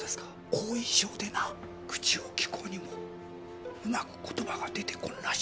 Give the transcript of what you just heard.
後遺症でな口を利こうにもうまく言葉が出てこんらしい。